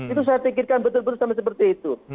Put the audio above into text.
itu saya pikirkan betul betul sama seperti itu